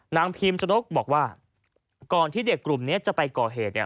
พิมชนกบอกว่าก่อนที่เด็กกลุ่มนี้จะไปก่อเหตุเนี่ย